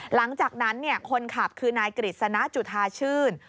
หลังจากนั้นคนขับคือนายกฤษณะจุธาชื่น